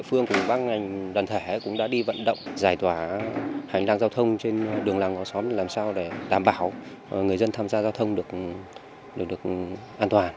các ngành đoàn thể cũng đã đi vận động giải tỏa hành lãng giao thông trên đường làng ngõ xóm làm sao để đảm bảo người dân tham gia giao thông được được được an toàn